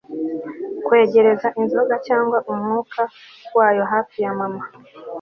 kwegereza inzoga cyangwa umwuka wayo hafi ya mama